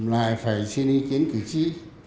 lại phải xin ý kiến cử tri